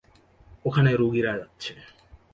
ওখানে রোগীরা যাচ্ছে।